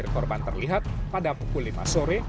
korban terlihat pada pukul lima sore